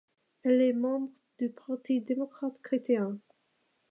Elle est membre du Parti démocrate-chrétien.